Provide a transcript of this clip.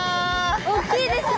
おっきいですね